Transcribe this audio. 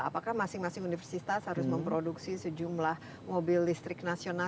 apakah masing masing universitas harus memproduksi sejumlah mobil listrik nasional